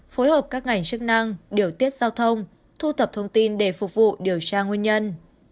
phối hợp các ngành chức năng điều tiết giao thông thu thập thông tin để phục vụ điều tra nguyên nhân